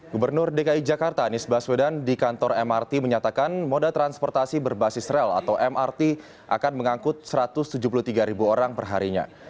gubernur dki jakarta anies baswedan di kantor mrt menyatakan moda transportasi berbasis rel atau mrt akan mengangkut satu ratus tujuh puluh tiga ribu orang perharinya